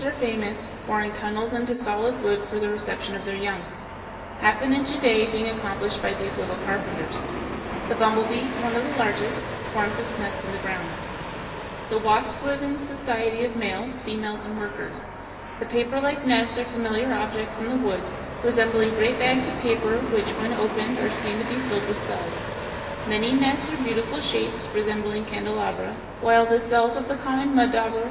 251) are famous, boring tunnels into solid wood for the reception of their young; half an inch a day being accomplished by these little carpenters. The bumblebee, one of the largest, forms its nest in the ground (Fig. 252). [Illustration: FIG. 252. Bumblebee and nest.] [Illustration: FIG. 253. Wasp and young.] The wasps (Fig. 253) live in societies of males, females, and workers. The paperlike nests are familiar objects in the woods, resembling great bags of paper which when opened are seen to be filled with cells. Many nests are of beautiful shapes, resembling candelabra, while the cells of the common mud dauber (Fig.